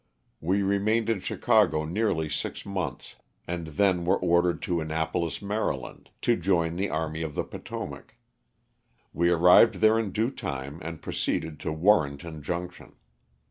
We remained in Chicago nearly six months and then were ordered to Annapolis, Md., to join the Army of the Potomac. We arrived there in due time, and proceeded to Warrenton Junction.